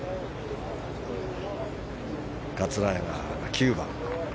桂川、９番。